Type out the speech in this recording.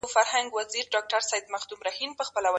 که پر سد که لېوني دي ټول په کاڼو سره ولي